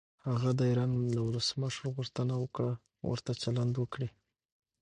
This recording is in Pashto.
هغه د ایران له ولسمشر غوښتنه وکړه ورته چلند وکړي.